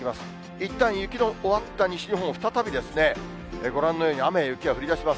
いったん雪の終わった西日本も、再びご覧のように、雨や雪が降りだします。